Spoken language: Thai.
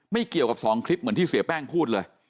ไม่เกี่ยวกับ๒คลิปเหมือนที่เสียแป้งพูดเลย